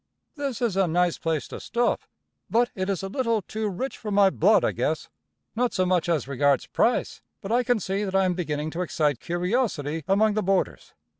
This is a nice place to stop, but it is a little too rich for my blood, I guess Not so much as regards price, but I can see that I am beginning to excite curiosity among the boarders.